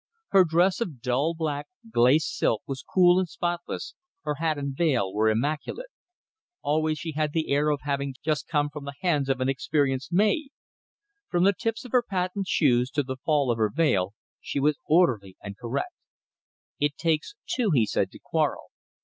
Her dress of dull black glace silk was cool and spotless, her hat and veil were immaculate. Always she had the air of having just come from the hands of an experienced maid. From the tips of her patent shoes to the fall of her veil, she was orderly and correct. "It takes two," he said, "to quarrel.